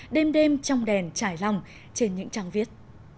đêm đêm trong đèn trải lòng trên những trang viết